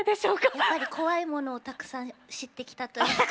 やっぱり怖いものをたくさん知ってきたというか。